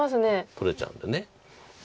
取れちゃうんで。